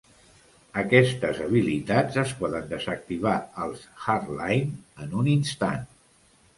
Aquestes habilitats es poden desactivar als Hardline en un instant.